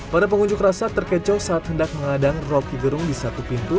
pada pengunjuk rasa terkecoh saat hendak mengadang rocky gerung di satu pintu